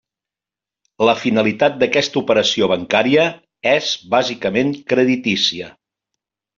La finalitat d'aquesta operació bancària és bàsicament creditícia.